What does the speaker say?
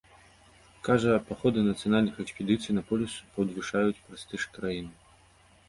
Кажа, паходы нацыянальных экспедыцый на полюс падвышаюць прэстыж краіны.